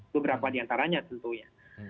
beberapa diantaranya tentunya